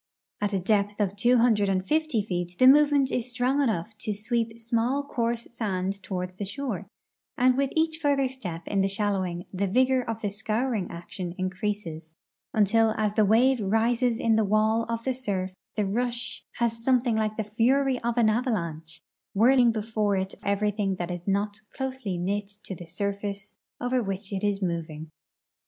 At a depth of tAvo hundred and fift}^ feet the movement is strong enough to sweep small, coarse sand toAvard the shore, and Avith each further step in the shalloAving the vigor of the scouring action increases until as the Avave rises in the Avail of the surf the rush has something like the fury of an avalanche, Avhirling before it eveiything that is not closely knit to the surface over Avhich it is moving.